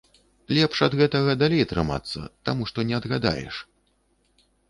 Лепш ад гэтага далей трымацца, таму што не адгадаеш.